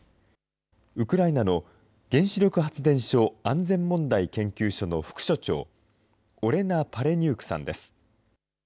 ウクライナの原子力発電所安全問題研究所の副所長、オレナ・パレニュークさんです。